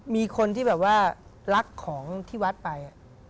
มีคนที่แบบว่ารักของที่วัดไป